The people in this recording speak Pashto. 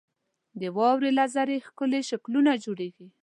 • د واورې له ذرې ښکلي شکلونه جوړېږي.